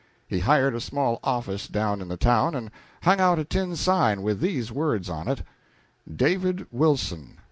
He hired a small office down in the town and hung out a tin sign with these words on it: DAVID WILSON.